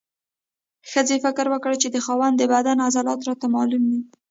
ښځې فکر وکړ چې د خاوند د بدن عضلات راته معلوم دي.